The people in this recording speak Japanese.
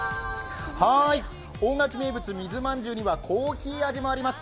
大垣名物・水まんじゅうにはコーヒー味もあります。